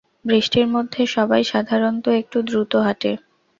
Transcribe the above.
বৃষ্টির মধ্যে সবাই সাধারণত একটু দ্রুত হাঁটে।